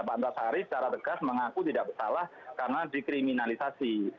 pak antasari secara tegas mengaku tidak bersalah karena dikriminalisasi